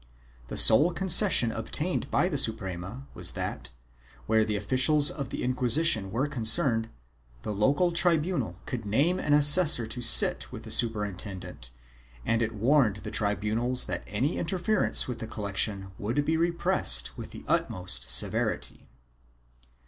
The sole concession obtained by the Suprema wras that, where officials of the Inquisition were concerned, the local tribunal could name an assessor to sit with the superintendent and it warned the tribunals that any interference with the collection would be repressed with the utmost severity.